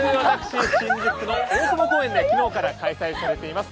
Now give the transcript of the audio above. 新宿の大久保公園で昨日から開催されています